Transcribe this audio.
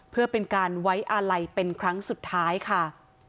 เพื่อเป็นการไว้อาลัยเป็นครั้งสุดท้ายค่ะ